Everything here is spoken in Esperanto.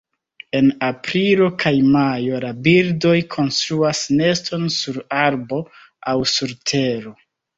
En aprilo kaj majo la birdoj konstruas neston sur arbo aŭ sur tero.